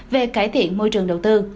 về cải thiện môi trường đầu tư